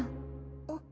あっ。